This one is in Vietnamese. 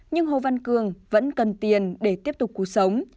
nhưng hồ văn cường vẫn cần tiền để tiếp tục cuộc sống